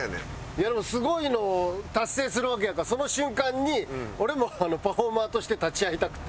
いやでもすごいのを達成するわけやからその瞬間に俺もパフォーマーとして立ち会いたくて。